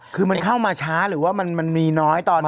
คือมันเข้ามาช้าหรือว่ามันมีน้อยตอนนี้